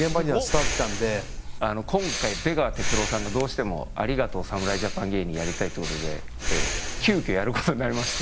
今回出川哲朗さんがどうしても「ありがとう！侍ジャパン芸人」やりたいっていう事で急遽やる事になりまして。